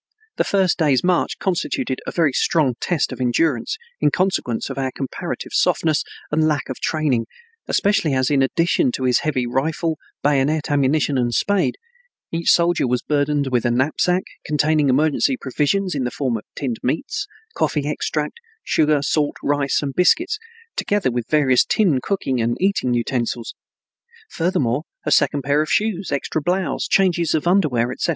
This first day's march constituted a very strong test of endurance in consequence of our comparative softness and lack of training, especially as, in addition to his heavy rifle, bayonet, ammunition, and spade, each soldier was burdened with a knapsack containing emergency provisions in the form of tinned meats, coffee extract, sugar, salt, rice, and biscuits, together with various tin cooking and eating utensils; furthermore a second pair of shoes, extra blouse, changes of underwear, etc.